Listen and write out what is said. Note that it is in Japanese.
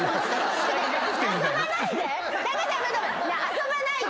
遊ばないで。